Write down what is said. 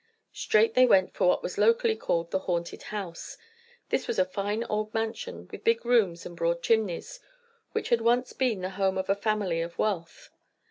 Straight they went for what was locally called the "haunted" house. This was a fine old mansion, with big rooms and broad chimneys, which had once been the home of a family of wealth.